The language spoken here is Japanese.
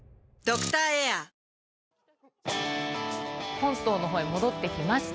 本島のほうへ戻ってきました。